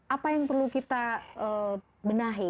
apa yang perlu kita benahi